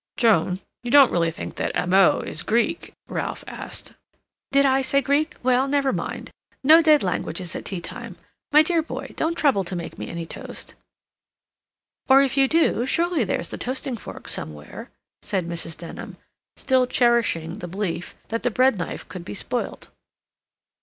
"Joan, you don't really think that 'amo' is Greek?" Ralph asked. "Did I say Greek? Well, never mind. No dead languages at tea time. My dear boy, don't trouble to make me any toast—" "Or if you do, surely there's the toasting fork somewhere?" said Mrs. Denham, still cherishing the belief that the bread knife could be spoilt.